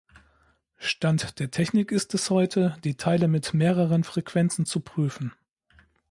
Stand der Technik ist es heute, die Teile mit mehreren Frequenzen zu prüfen.